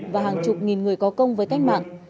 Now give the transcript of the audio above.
và hàng chục nghìn người có công với cách mạng